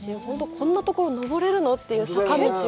こんなところ上れるの？という坂道も。